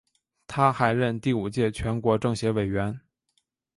他还任第五届全国政协委员。